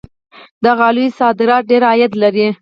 د غالیو صادرات ډیر عاید لري.